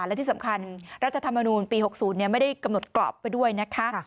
และที่สำคัญรัฐธรรมนูลปี๖๐ไม่ได้กำหนดกรอบไปด้วยนะคะ